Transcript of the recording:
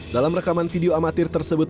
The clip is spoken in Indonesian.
dalam rekaman video amatir tersebut